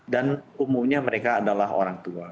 dan umumnya mereka adalah orang tua